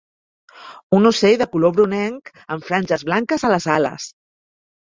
Un ocell de color brunenc amb franges blanques a les ales.